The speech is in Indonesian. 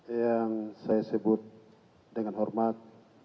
yang saya sebut dengan hormat